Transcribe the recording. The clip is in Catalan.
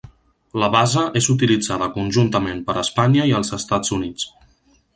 La base és utilitzada conjuntament per Espanya i els Estats Units.